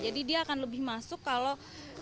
jadi dia akan lebih masuk kalau